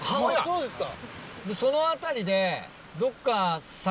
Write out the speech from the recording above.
そうですか。